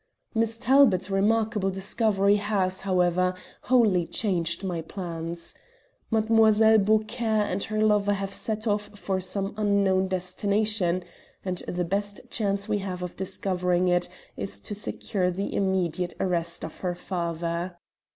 Miss Talbot's remarkable discovery has, however, wholly changed my plans. Mlle. Beaucaire and her lover have set off for some unknown destination, and the best chance we have of discovering it is to secure the immediate arrest of her father.